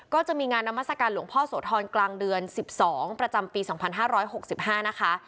ก็จะมีงานนามัศกาลหลวงพ่อโสธรกลางเดือน๑๒ประจำปี๒๕๖๕นะคะ